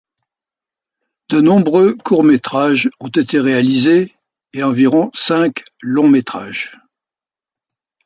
De nombreux courts métrages ont été réalisés, et environ cinq longs métrages.